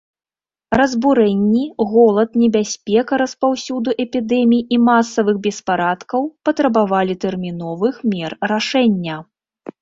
Разбурэнні, голад, небяспека распаўсюду эпідэмій і масавых беспарадкаў патрабавалі тэрміновых мер рашэння.